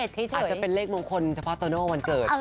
อาจจะเป็นเลขมงคลเฉพาะโตโน่วันเกิด